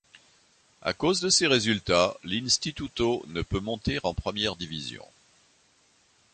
À cause de ces résultats, l'Instituto ne peut monter en première division.